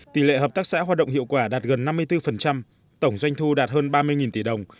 tỷ lệ hợp tác xã hoạt động hiệu quả đạt gần năm mươi bốn tổng doanh thu đạt hơn ba mươi tỷ đồng